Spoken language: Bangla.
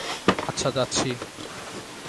আচ্ছা যাচ্ছি।